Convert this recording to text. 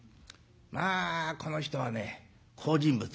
まあこの人はね好人物。